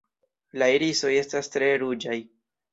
La irisoj estas tre ruĝaj.